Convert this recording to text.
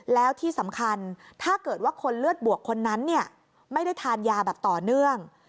แล้วที่สำคัญถ้าเกิดว่าคนเลือดบวกคนนั้นไม่ได้ทานยาแบบต่อเนื่อง